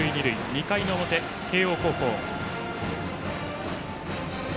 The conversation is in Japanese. ２回の表、慶応高校。